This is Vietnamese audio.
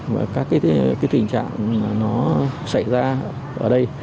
và các cái tình trạng mà nó xảy ra ở đây